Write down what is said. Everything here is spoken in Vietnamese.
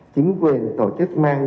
chính quyền tổ chức mang